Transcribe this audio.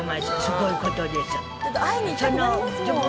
すごいことです。